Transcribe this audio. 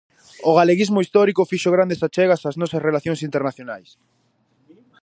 O galeguismo histórico fixo grandes achegas ás nosas relacións internacionais.